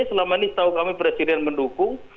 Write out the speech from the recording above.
selama ini setahu kami presiden mendukung